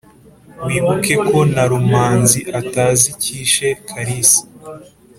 wibuke ko na rumanzi atazi icyishe kalisa.